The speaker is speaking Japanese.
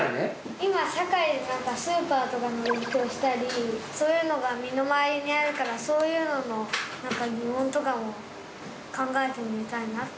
今、社会でスーパーの勉強したり、そういうのが身の回りにあるから、そういうのの、なんか疑問とかも考えてみたいなって。